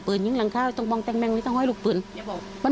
เปิดยิงร้างคาก็ต้องมองแต่งแมงมันจะแหละ